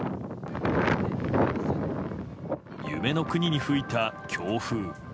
夢の国に吹いた強風。